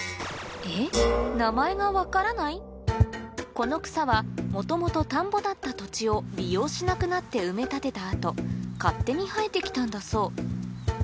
この草は元々田んぼだった土地を利用しなくなって埋め立てた後勝手に生えてきたんだそう